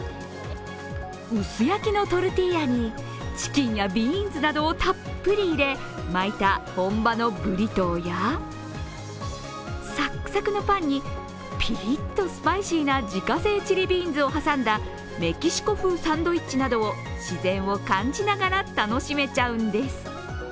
薄焼きのトルティーヤやチキンやビーンズなどをたっぷり入れ巻いた本場のブリトーやさっくさくのパンに、ぴりっとスパイシーな自家製チリビーンスを挟んだメキシコ風サンドイッチなどを自然を感じながら楽しめちゃうんです。